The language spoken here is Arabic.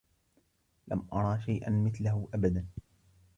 لم أرى شيئا مثله أبدا.